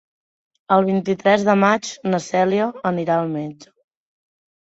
El vint-i-tres de maig na Cèlia anirà al metge.